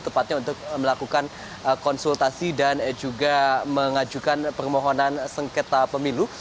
tepatnya untuk melakukan konsultasi dan juga mengajukan permohonan sengketa pemilu